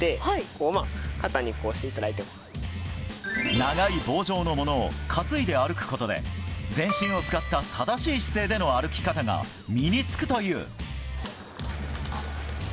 長い棒状のものを担いで歩くことで全身を使った正しい姿勢での歩き方が身に着くという。